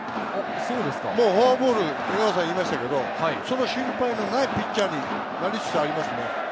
フォアボール、江川さんは言いましたけれど、その心配がないピッチャーになりつつありますね。